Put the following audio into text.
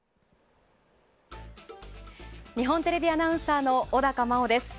日本テレビアナウンサーの小高茉緒です。